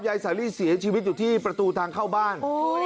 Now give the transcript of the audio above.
สาลีเสียชีวิตอยู่ที่ประตูทางเข้าบ้าน